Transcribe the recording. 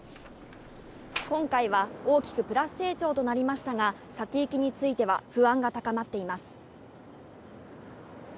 今回は大きくプラス成長となりましたが、先行きについては不安が高まっています。